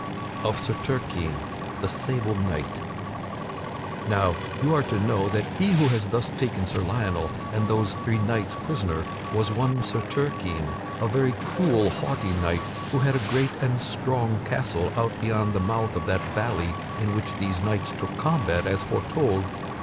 [Sidenote: Of Sir Turquine the sable knight] Now you are to know that he who had thus taken Sir Lionel and those three knights prisoner was one Sir Turquine, a very cruel, haughty knight, who had a great and strong castle out beyond the mouth of that valley in which these knights took combat as aforetold.